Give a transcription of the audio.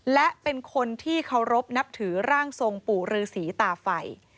และเป็นคนที่เคารพนับถือร่างทรงปู่ฤษีตาไฟ